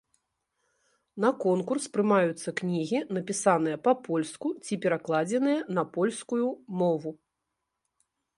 На конкурс прымаюцца кнігі, напісаныя па-польску ці перакладзеныя на польскую мову.